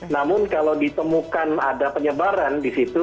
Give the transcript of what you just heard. namun kalau ditemukan ada penyebaran di situ